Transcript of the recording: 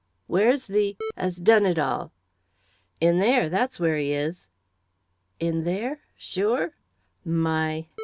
"Where's the as done it all?" "In there that's where he is!" "In there? Sure? My